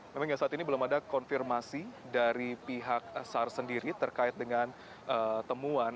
memang hingga saat ini belum ada konfirmasi dari pihak sar sendiri terkait dengan temuan